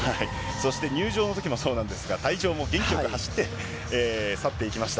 そして入場のときもそうなんですが、退場も元気よく走って去っていきました。